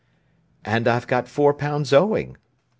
"And I've got four pounds owing.